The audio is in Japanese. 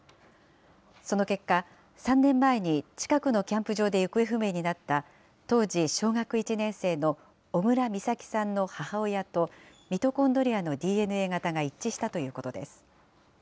その結果、３年前に近くのキャンプ場で行方不明なった、当時小学１年生の小倉美咲さんの母親と、ミトコンドリアのＤＮＡ型が一致したということです。